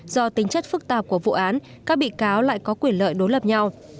do tính chất phức tạp của vụ án các bị cáo lại có quyền lợi đối lập nhau